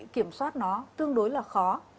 kiểm soát nó tương đối là khó